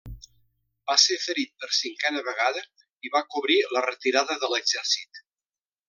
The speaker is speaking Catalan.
Va ser ferit per cinquena vegada i va cobrir la retirada de l'exèrcit.